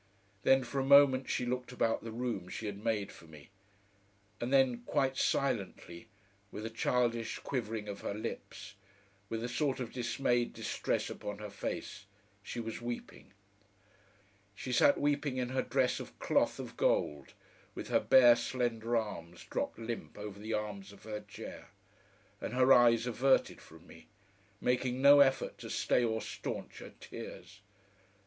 Then for a moment she looked about the room she had made for me, and then quite silently, with a childish quivering of her lips, with a sort of dismayed distress upon her face, she was weeping. She sat weeping in her dress of cloth of gold, with her bare slender arms dropped limp over the arms of her chair, and her eyes averted from me, making no effort to stay or staunch her tears.